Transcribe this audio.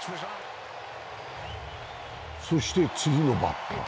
そして次のバッター。